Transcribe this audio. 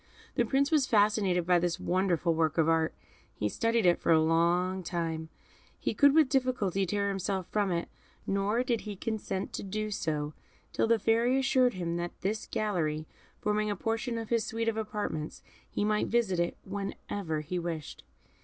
The Prince was fascinated by this wonderful work of art; he studied it for a long time; he could with difficulty tear himself from it; nor did he consent to do so till the Fairy assured him that this gallery forming a portion of his suite of apartments, he might visit it whenever he wished.